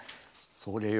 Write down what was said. それよ。